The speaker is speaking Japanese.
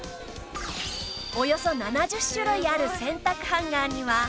およそ７０種類ある洗濯ハンガーには